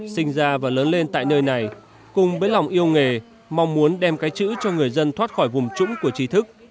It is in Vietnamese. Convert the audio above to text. sinh ra và lớn lên tại nơi này cùng với lòng yêu nghề mong muốn đem cái chữ cho người dân thoát khỏi vùng trũng của trí thức